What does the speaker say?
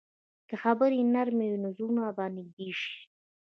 که خبرې نرمې وي، نو زړونه به نږدې شي.